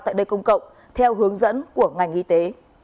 tại nơi công cộng theo hướng dẫn của ngành y tế